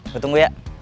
gue tunggu ya